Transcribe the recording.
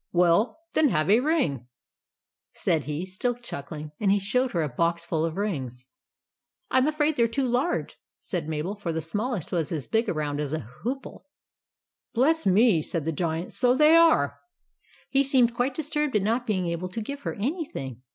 "WELL, THEN, HAVE A RING," said he, still chuckling ; and he showed her a box full of rings. " I 'm afraid they 're too large," said Mabel ; for the smallest was as big around as a hoople. "BLESS ME!" said the Giant, "SO THEY ARE." He seemed quite disturbed at not being able to give her anything.